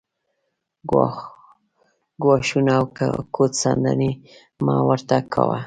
ګواښونه او ګوت څنډنې مه ورته کاوه